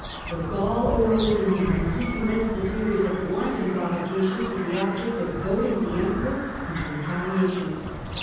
The gall arose in him and he com menced a series of wanton provocations with the object of goading the Emperor into retaliation.